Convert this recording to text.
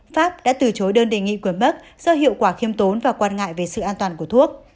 pháp đã từ chối đơn đề nghị của bắc do hiệu quả khiêm tốn và quan ngại về sự an toàn của thuốc